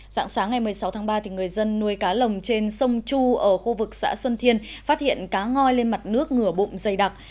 dạng sáng ngày một mươi sáu tháng ba người dân nuôi cá lồng trên sông chu ở khu vực xã xuân thiên phát hiện cá ngòi lên mặt nước ngửa bụng dày đặc